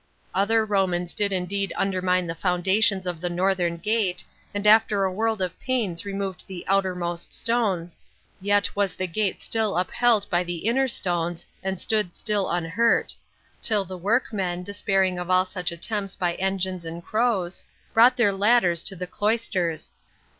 Other Romans did indeed undermine the foundations of the northern gate, and after a world of pains removed the outermost stones, yet was the gate still upheld by the inner stones, and stood still unhurt; till the workmen, despairing of all such attempts by engines and crows, brought their ladders to the cloisters.